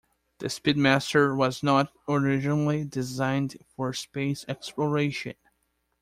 The Speedmaster was not originally designed for space exploration.